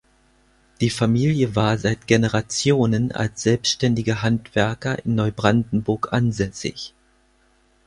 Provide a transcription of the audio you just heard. Die Familie war seit Generationen als selbständige Handwerker in Neubrandenburg ansässig.